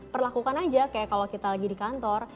perlakukan aja kayak kalau kita lagi di kantor